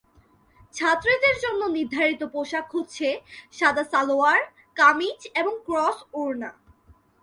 ছাত্রীদের জন্য নির্ধারিত পোশাক হচ্ছে সাদা সালোয়ার, কামিজ এবং ক্রস ওড়না।